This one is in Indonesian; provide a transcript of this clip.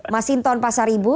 masinton pasar ibu